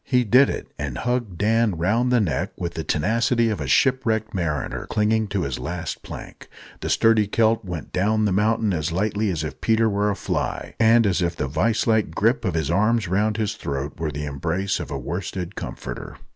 He did it, and hugged Dan round the neck with the tenacity of a shipwrecked mariner clinging to his last plank. The sturdy Celt went down the mountain as lightly as if Peter were a fly, and as if the vice like grip of his arms round his throat were the embrace of a worsted comforter.